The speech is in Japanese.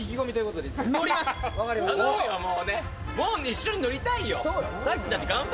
一緒に乗りたいよ。